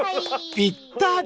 ［ぴったり］